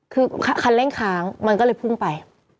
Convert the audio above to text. คือคันเร่งค้างมันก็เลยพุ่งไป